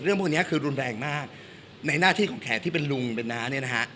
พวกนี้คือรุนแรงมากในหน้าที่ของแขกที่เป็นลุงเป็นน้าเนี่ยนะฮะ